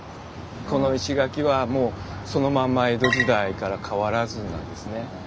この石垣はもうそのまんま江戸時代から変わらずなんですね。